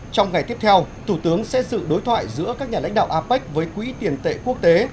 trong ngày tiếp theo thủ tướng sẽ dự đối thoại giữa các nhà lãnh đạo apec với quỹ tiền tệ quốc tế